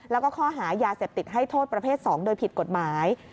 แล้วก็ข้อหายาเสพติดให้โทษประเภท๒โดยผิดกฎหมาย